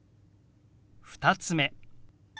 ２つ目。